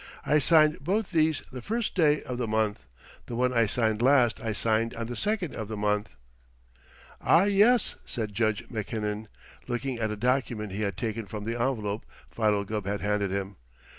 I signed both these the first day of the month. The one I signed last I signed on the second of the month." "Ah, yes!" said Judge Mackinnon, looking at a document he had taken from the envelope Philo Gubb had handed him.